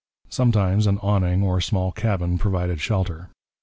Sometimes an awning or small cabin provided shelter.